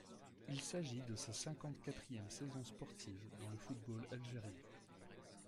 Il s'agit de sa cinquante-quatrième saison sportive dans le football algérien.